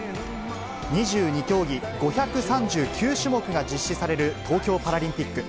２２競技５３９種目が実施される東京パラリンピック。